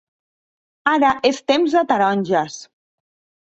Ara és temps de taronges.